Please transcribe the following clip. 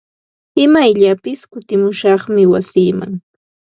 Imayllapis kutimushaqmi wasiiman.